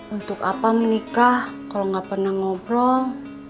untuk apa menikah kalau nggak pernah ngobrol